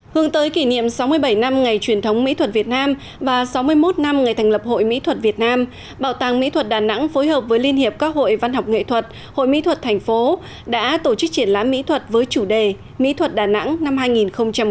hướng tới kỷ niệm sáu mươi bảy năm ngày truyền thống mỹ thuật việt nam và sáu mươi một năm ngày thành lập hội mỹ thuật việt nam bảo tàng mỹ thuật đà nẵng phối hợp với liên hiệp các hội văn học nghệ thuật hội mỹ thuật thành phố đã tổ chức triển lãm mỹ thuật với chủ đề mỹ thuật đà nẵng năm hai nghìn một mươi chín